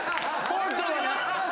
ホントに。